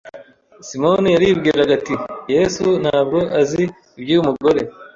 Simoni yaribwiraga ati : Yesu ntabwo azi iby'uyu mugore